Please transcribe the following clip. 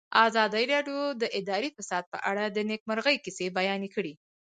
ازادي راډیو د اداري فساد په اړه د نېکمرغۍ کیسې بیان کړې.